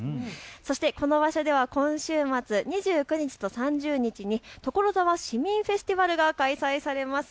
そしてこの場所では今週末２９日と３０日に所沢市民フェスティバルが開催されます。